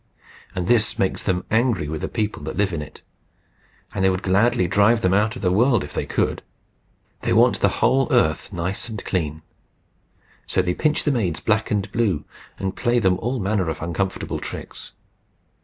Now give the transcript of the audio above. And this makes them angry with the people that live in it, and they would gladly drive them out of the world if they could. They want the whole earth nice and clean. So they pinch the maids black and blue, and play them all manner of uncomfortable tricks.